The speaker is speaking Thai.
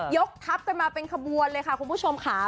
กทับกันมาเป็นขบวนเลยค่ะคุณผู้ชมค่ะ